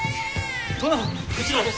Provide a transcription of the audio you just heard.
殿こちらです。